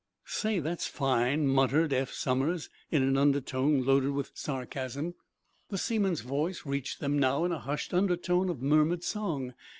_ "Say, that's fine!" muttered Eph Somers, in an undertone loaded with sarcasm. The seaman's voice reached them now in a hushed undertone of murmured song.